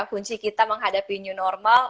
kunci kita menghadapi new normal